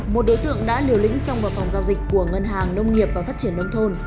một đối tượng đã liều lĩnh xong vào phòng giao dịch của ngân hàng nông nghiệp và phát triển nông thôn